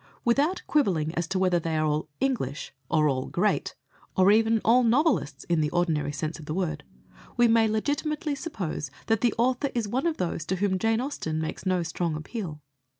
Without quibbling as to whether they are all "English," or all "great," or even all "novelists" in the ordinary sense of the word, we may legitimately suppose that the author is one of those to whom Jane Austen makes no strong appeal.